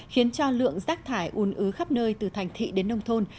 khiến cho lượng rác thải un ứ khắp nơi từ thành thị đến nông thôn